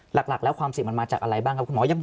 หลักแล้วความเสี่ยงมันมาจากอะไรบ้างครับคุณหมอ